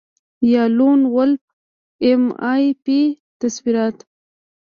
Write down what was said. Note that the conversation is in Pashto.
یا لون وولف ایم آی پي تصورات